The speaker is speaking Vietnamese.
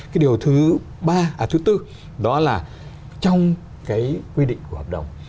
cái điều thứ ba à thứ tư đó là trong cái quy định của hợp đồng